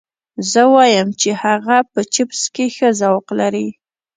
زه وایم چې هغه په چپس کې ښه ذوق لري